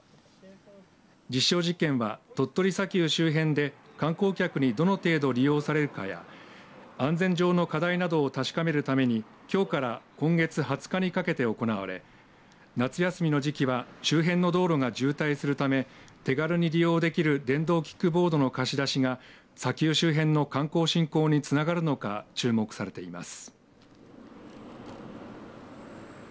実証実験は鳥取砂丘周辺で観光客にどの程度利用されるかや安全上の課題などを確かめるためにきょうから今月２０日にかけて行われ夏休みの時期は周辺の道路が渋滞するため手軽に利用できる電動キックボードの貸し出しが砂丘周辺の観光振興につながるのか注目されています。